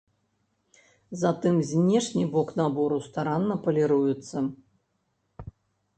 Затым знешні бок набору старанна паліруецца.